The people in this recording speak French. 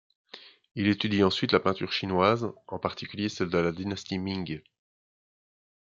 Il étudie ensuite la peinture chinoise, en particulier celle de la dynastie Ming.